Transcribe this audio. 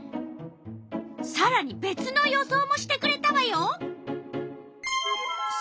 さらにべつの予想もしてくれたわよ。